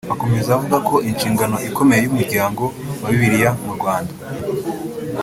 Akomeza avuga ko inshingano ikomeye y’Umuryango wa Bibiliya mu Rwanda